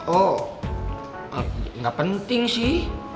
oh nggak penting sih